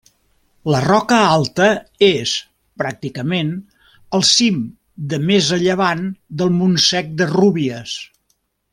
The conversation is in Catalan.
La Roca Alta és, pràcticament, el cim de més a llevant del Montsec de Rúbies.